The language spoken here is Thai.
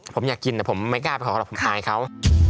ผมอยากกินแต่ผมไม่กล้าไปขอหรอกผมอายเขา